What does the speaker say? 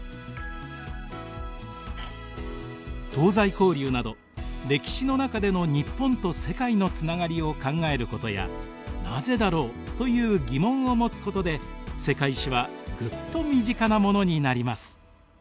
東西交流など歴史の中での日本と世界のつながりを考えることや「なぜだろう？」という疑問を持つことで「世界史」はぐっと身近なものになります。